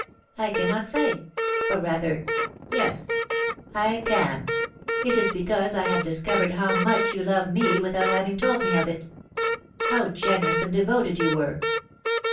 I cannot say or rather, yes I can; it is because I have discovered how much you love me without having told me of it, how generous and devoted you were.